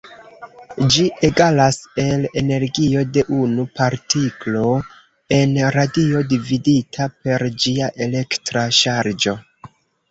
Ĝi egalas el energio de unu partiklo en radio dividita per ĝia elektra ŝargo.